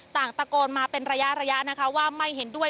ต่างตะโกนมาเป็นระยะระยะนะคะว่าไม่เห็นด้วย